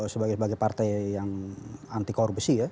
sebagai sebagai partai yang anti korupsi ya